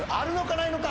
ないのか？